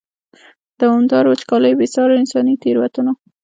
دوامدارو وچکالیو، بې سارو انساني تېروتنو.